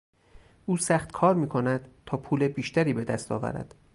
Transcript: او سخت کار میکند تا پول بیشتری به دست آورد.